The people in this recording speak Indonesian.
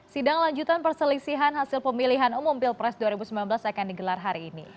sidang lanjutan perselisihan hasil pemilihan umum pilpres dua ribu sembilan belas akan digelar hari ini